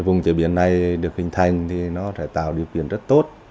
vùng chế biến này được hình thành thì nó sẽ tạo điều kiện rất tốt